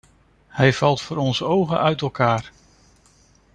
Hij valt voor onze ogen uit elkaar.